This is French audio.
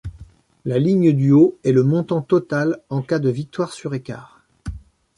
La ligne du haut est le montant total en cas de victoire sur écart.